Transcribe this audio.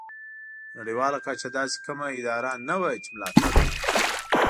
په نړیواله کچه داسې کومه اداره نه وه چې ملاتړ وکړي.